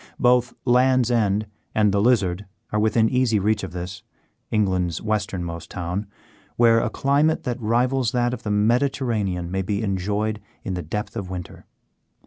Both Land's End and the Lizard are within easy reach of this, England's westernmost town, where a climate that rivals that of the Mediterranean may be enjoyed in the depth of winter.